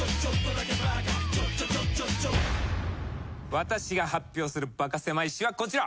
私が発表するバカせまい史はこちら。